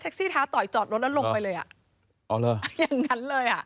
เท็กซี่ท้าต่อยจอดรถแล้วลงไปเลยอย่างนั้นเลย